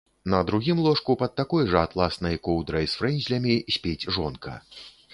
На другім ложку пад такой жа атласнай коўдрай з фрэнзлямі спіць жонка.